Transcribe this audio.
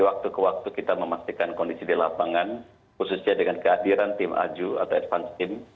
waktu ke waktu kita memastikan kondisi di lapangan khususnya dengan kehadiran tim aju atau advance team